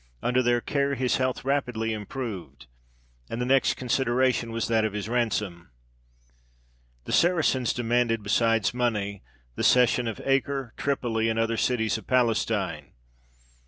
Under their care his health rapidly improved, and the next consideration was that of his ransom. The Saracens demanded, besides money, the cession of Acre, Tripoli, and other cities of Palestine.